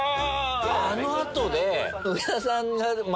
あの後で。